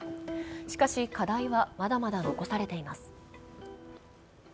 しかし課題はまだまだ残されています。